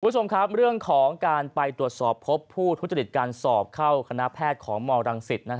คุณผู้ชมครับเรื่องของการไปตรวจสอบพบผู้ทุจริตการสอบเข้าคณะแพทย์ของมรังสิต